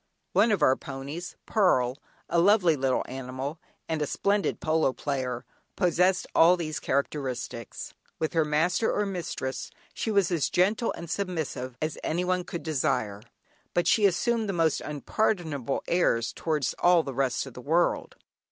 One of our ponies, "Pearl," a lovely little animal, and a splendid polo player, possessed all these characteristics. With her master or mistress she was as gentle and submissive as anyone could desire, but she assumed the most unpardonable airs towards all the rest of the world.